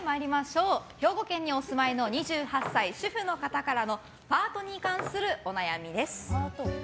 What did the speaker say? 兵庫県にお住まいの２８歳、主婦の方からのパートに関するお悩みです。